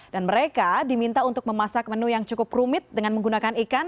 dan mereka diminta untuk memasak menu yang cukup rumit dengan menggunakan ikan